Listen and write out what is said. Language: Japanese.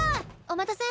お待たせ。